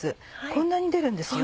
こんなに出るんですよ。